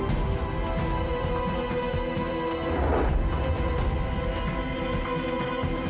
soal losing terakhir ini